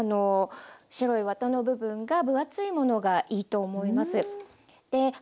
白いワタの部分が分厚いものがいいと思います。